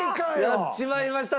やっちまいました